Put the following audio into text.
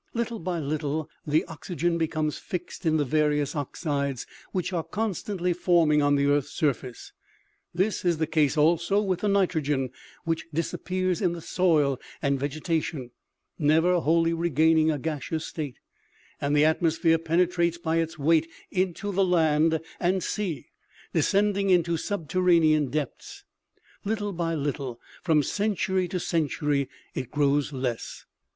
L,ittle by little the oxygen becomes fixed in the various oxides which are constantly forming on the earth's surface ; this is the case also with the nitrogen, which disappears in the soil and vegetation, never wholly regaining a gaseous state ; and the atmosphere penetrates by its weight into the land and sea, descending into subterranean depths. Little by little, from century to century, it grows less.